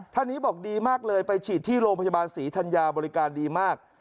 ท่านนี้บอกดีมากเลยไปฉีดที่โรงพยาบาลศรีธัญญาบริการดีมาก